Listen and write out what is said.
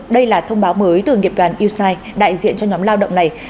đây là thông báo mới từ nghiệp đoàn u chín đại diện cho nhóm lao động này